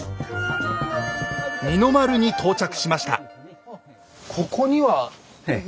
二の丸に到着しました。